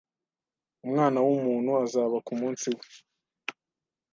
Umwana w umuntu azaba ku munsi we